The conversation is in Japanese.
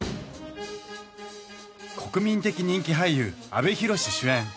国民的人気俳優阿部寛主演